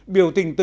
biểu tình tự do